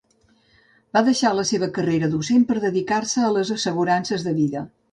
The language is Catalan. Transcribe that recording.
Va deixar la seva carrera docent per dedicar-se a les assegurances de vida.